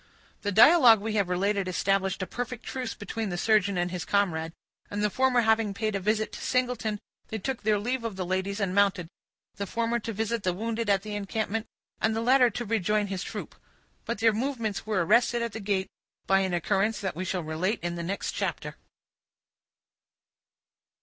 The dialogue we have related established a perfect truce between the surgeon and his comrade; and the former having paid a visit to Singleton, they took their leave of the ladies, and mounted; the former to visit the wounded at the encampment, and the latter to rejoin his troop. But their movements were arrested at the gate by an occurrence that we shall relate in the next chapter.